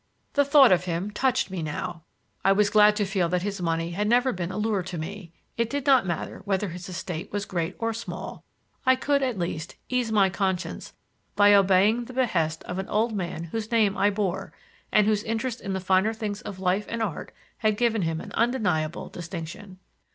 The thought of him touched me now. I was glad to feel that his money had never been a lure to me; it did not matter whether his estate was great or small, I could, at least, ease my conscience by obeying the behest of the old man whose name I bore, and whose interest in the finer things of life and art had given him an undeniable distinction.